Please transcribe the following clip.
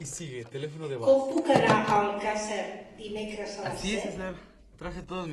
Com puc anar a Alcàsser dimecres a les set?